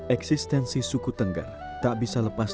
eksistensi suku tengger tak bisa lepas